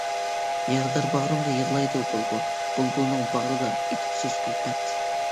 يارىدار باغرىمدا يىغلايدۇ بۇلبۇل، بۇلبۇلنىڭ باغرىدا ئېيتقۇسىز كۈلپەت.